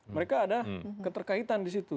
mereka ada keterkaitan di situ